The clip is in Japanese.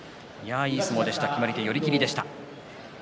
いい相撲で決まり手は寄り切りでした。